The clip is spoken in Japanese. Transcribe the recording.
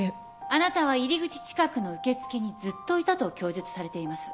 あなたは入り口近くの受付にずっといたと供述されています。